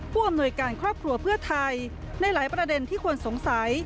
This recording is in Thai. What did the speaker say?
ผู้อำนวยการครอบครัวเพื่อไทยในหลายประเด็นที่คนสงสัย